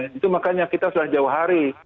itu makanya kita sudah jauh hari